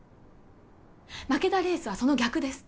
負けたレースはその逆です